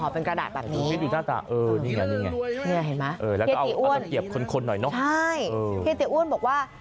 พี่อุ้นบอกว่า